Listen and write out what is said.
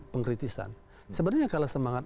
pengkritisan sebenarnya kalau semangat